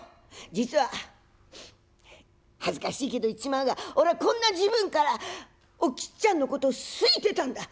実は恥ずかしいけど言っちまうが俺はこんな時分からおきっちゃんのこと好いてたんだ。